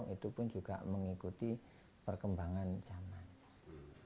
itu pun juga mengikuti perkembangan zaman